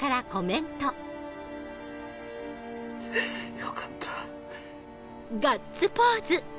よかった。